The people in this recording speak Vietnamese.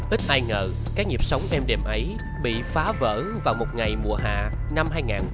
ít ai ngợi các nhịp sống êm đềm ấy bị phá vỡ vào một ngày mùa hà năm hai nghìn một mươi ba